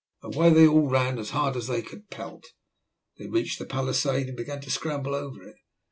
Away they all ran as hard as they could pelt. They reached the palisade and began to scramble over it.